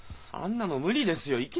あんなの無理ですよ。